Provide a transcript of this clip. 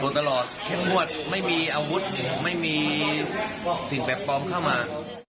ตลอดเข้มงวดไม่มีอาวุธไม่มีสิ่งแปลกปลอมเข้ามา